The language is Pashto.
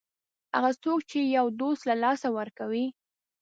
هغه څوک چې یو دوست له لاسه ورکوي.